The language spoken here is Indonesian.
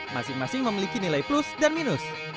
masing masing memiliki nilai plus dan minus